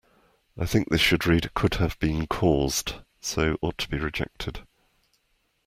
The epileptic seizure could have been cause by the strobe lights.